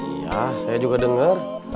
iya saya juga denger